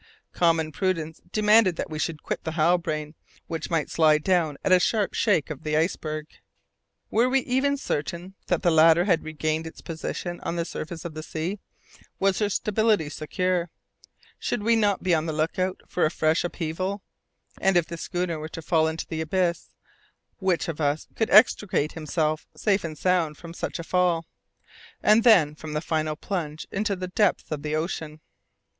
Common prudence demanded that we should quit the Halbrane, which might slide down at a sharp shake of the iceberg. Were we even certain that the latter had regained its position on the surface of the sea? Was her stability secure? Should we not be on the look out for a fresh upheaval? And if the schooner were to fall into the abyss, which of us could extricate himself safe and sound from such a fall, and then from the final plunge into the depths of the ocean?